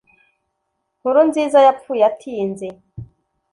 Nkurunziza yapfuye atinze